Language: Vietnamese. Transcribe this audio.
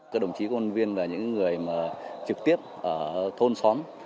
các đồng chí công an viên là những người trực tiếp ở thôn xóm